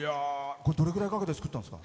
これ、どれぐらいで作ったんですか？